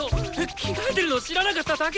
着替えてるの知らなかっただけだっての！